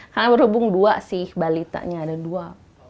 karena berhubung dua sih balitanya ada dua